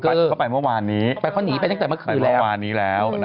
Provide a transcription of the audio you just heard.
เขาหนีไปตั้งแต่เมื่อคือแล้ว